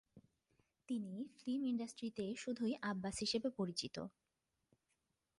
তিনি ফিল্ম ইন্ডাস্ট্রিতে শুধুই আব্বাস হিসেবে পরিচিত।